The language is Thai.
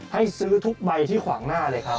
ให้ซื้อทุกใบที่ขวางหน้าเลยครับ